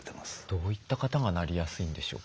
どういった方がなりやすいんでしょうか？